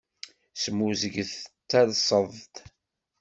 Smuzget d talseḍ-d.